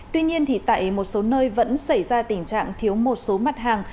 tuy nhiên tại một số nơi vẫn xảy ra tình trạng thiếu một số mặt hàng